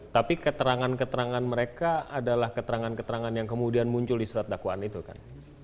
tapi keterangan keterangan mereka adalah keterangan keterangan yang kemudian muncul di surat dakwaan itu kan